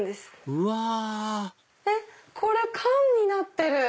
うわこれ缶になってる！